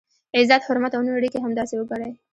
عزت، حرمت او نورې اړیکي همداسې وګڼئ.